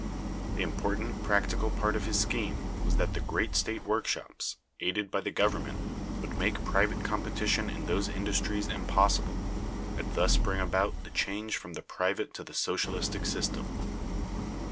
The important practical part of his scheme was that the great state workshops, aided by the Government, would make private competition in those industries impossible, and thus bring about the change from the private to the socialistic system.